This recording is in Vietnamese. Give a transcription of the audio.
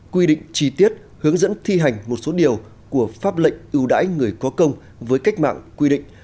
quy định chi tiết hướng dẫn thi hành một số điều của pháp lệnh ưu đãi người có công với cách mạng quy định